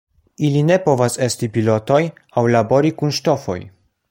Ili ne povas esti pilotoj aŭ labori kun ŝtofoj.